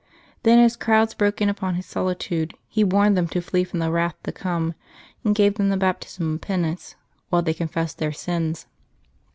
Then, as crowds broke in upon his solitude, he warned them to flee from the wrath to come, and gave them the baptism of penance, while they confessed their sins.